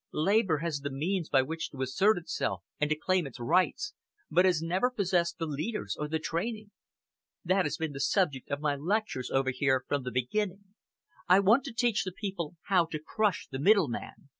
Labour has the means by which to assert itself and to claim its rights, but has never possessed the leaders or the training. That has been the subject of my lectures over here from the beginning. I want to teach the people how to crush the middleman.